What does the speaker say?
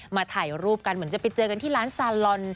ถ่ายรูปกันเหมือนจะไปเจอกันที่ร้านซาลอน